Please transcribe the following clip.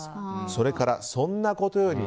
それから、そんなことより。